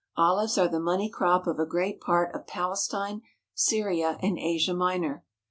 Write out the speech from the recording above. Olives are the money crop of a great part of Palestine, Syria, and Asia Minor.